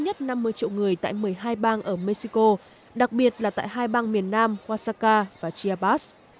nhất năm mươi triệu người tại một mươi hai bang ở mexico đặc biệt là tại hai bang miền nam oaxaca và chiapas